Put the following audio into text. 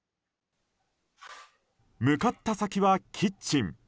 向かった先はキッチン。